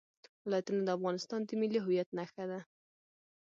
ولایتونه د افغانستان د ملي هویت نښه ده.